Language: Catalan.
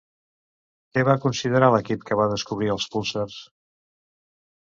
Què va considerar l'equip que va descobrir els púlsars?